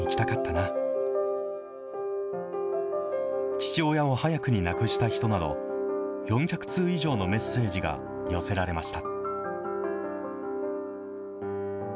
父親を早くに亡くした人など、４００通以上のメッセージが寄せられました。